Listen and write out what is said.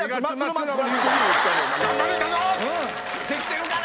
できてるかな？